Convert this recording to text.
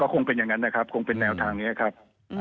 คงเป็นอย่างนั้นนะครับคงเป็นแนวทางนี้ครับ